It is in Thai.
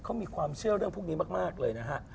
เขามีความเชื่อเรื่องพวกนี้มากเลยนะฮะ